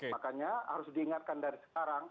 makanya harus diingatkan dari sekarang